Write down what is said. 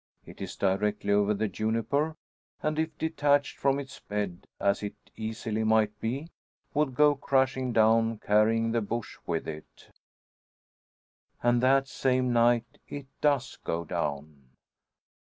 It is directly over the juniper, and if detached from its bed, as it easily might be, would go crashing down, carrying the bush with it. And that same night it does go down.